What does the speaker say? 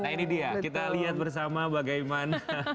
nah ini dia kita lihat bersama bagaimana